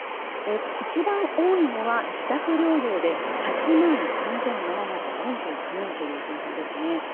一番多いのは自宅療養で８万３７４９人という状況です。